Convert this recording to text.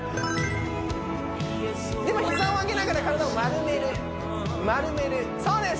では膝を上げながら体を丸める丸めるそうです